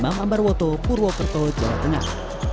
imam ambarwoto purwokerto jawa tengah